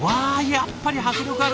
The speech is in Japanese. やっぱり迫力あるわ。